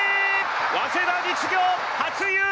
早稲田実業初優勝！